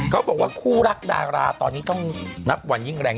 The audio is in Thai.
เขาบอกว่าคู่รักดาราตอนนี้ต้องนับวันยิ่งแรง